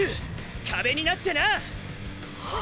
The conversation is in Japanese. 壁になってな！！っ！！